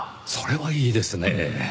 それはいいですねぇ。